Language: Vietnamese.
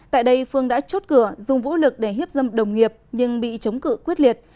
tại đây phương đã chốt cửa dùng vũ lực để hiếp dâm đồng nghiệp nhưng bị chống cự quyết liệt